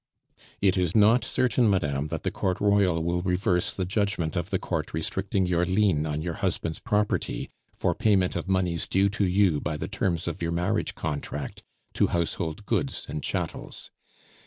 "It is not certain, madame, that the Court Royal will reverse the judgment of the court restricting your lien on your husband's property, for payment of moneys due to you by the terms of your marriage contract, to household goods and chattels.